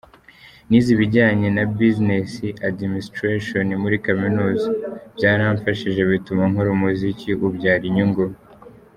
Nize ibijyanye na Business Administration muri Kaminuza, byaramfashije bituma nkora umuziki ubyara inyungu.